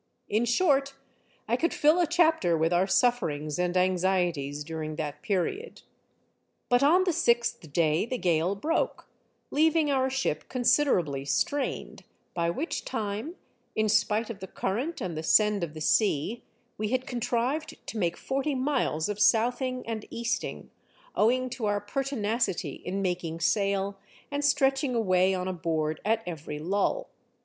In short, I could fill a chapter with our sufferings and anxieties during that period. But on the sixth day the gale broke, leaving our ship considerably strained, by which time, in spite of the current and the send of the sea, we had contrived to make forty miles of southing and easting, owing to our pertinacity in making sail and stretching away on a board at every lull.